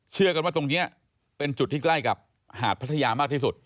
เชื่อกันว่าตรงนี้เป็นจุดที่ใกล้กับหาดพัทยามากที่สุด